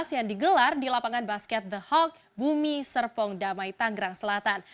yang digelar di lapangan basket the hawk bumi serpong damai tanggerang selatan